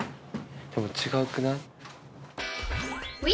でも違くない？